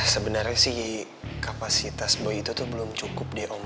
sebenarnya sih kapasitas boy itu belum cukup om